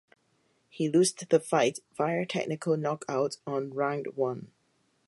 He lost the fight via technical knockout on round one.